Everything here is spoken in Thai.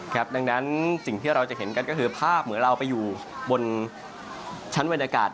ดังนั้นสิ่งที่เราจะเห็นกันก็คือภาพเหมือนเราไปอยู่บนชั้นบรรยากาศ